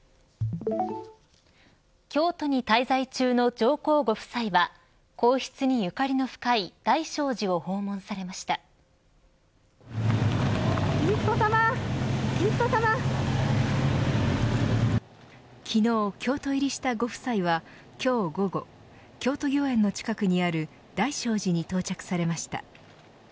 京都に滞在中の上皇ご夫妻は皇室にゆかりの深い昨日、京都入りしたご夫妻は今日午後京都御苑の近くにある大聖寺に到着されました。